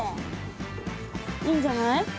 いいんじゃない？